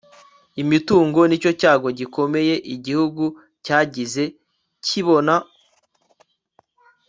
umutingito nicyo cyago gikomeye igihugu cyigeze kibona. (snout